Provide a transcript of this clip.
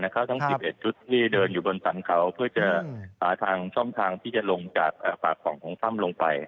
ทั้ง๑๑ชุดเดินอยู่บนสรรเขาเพื่อจะหาทางช่องทางที่จะลงจากปากของถ้ำลงไป